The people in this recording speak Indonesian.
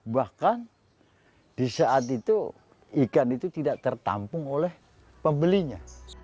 bahkan di saat itu ikan itu tidak tertampung oleh pembelinya